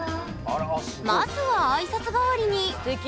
まずは挨拶代わりにすてき。